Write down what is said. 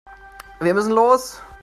Wir müssen los.